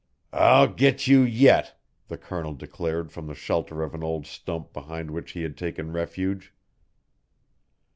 "I'll get you yet," the Colonel declared from the shelter of an old stump behind which he had taken refuge.